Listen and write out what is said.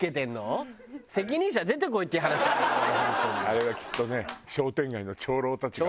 あれはきっとね商店街の長老たちが。